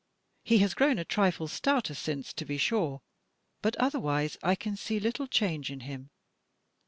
He has grown a trifle stouter since, to be sure, but otherwise I can see little change in him.